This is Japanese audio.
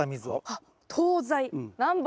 あっ東西南北。